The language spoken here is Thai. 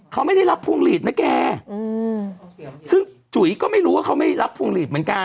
เขาไม่ได้รับพวงหลีดนะแกอืมซึ่งจุ๋ยก็ไม่รู้ว่าเขาไม่รับพวงหลีดเหมือนกัน